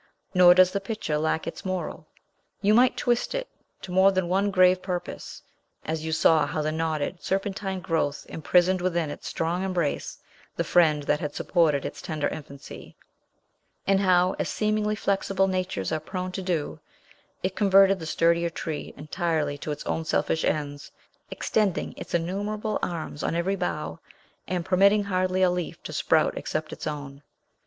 Nor does the picture lack its moral. You might twist it to more than one grave purpose, as you saw how the knotted, serpentine growth imprisoned within its strong embrace the friend that had supported its tender infancy; and how (as seemingly flexible natures are prone to do) it converted the sturdier tree entirely to its own selfish ends, extending its innumerable arms on every bough, and permitting hardly a leaf to sprout except its own.